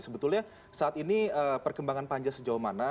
sebetulnya saat ini perkembangan panja sejauh mana